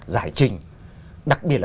giải trình đặc biệt là